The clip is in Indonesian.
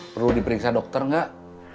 perlu diperiksa dokter nggak